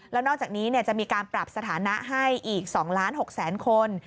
แล้วนอกจากนี้จะมีการปรับสถานะให้อีก๒๖๐๐๐คน